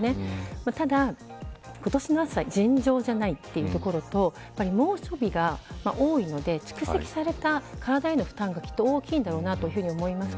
ただ今年の暑さは尋常じゃないというところと猛暑日が多いので蓄積された体への負担がきっと大きいと思います。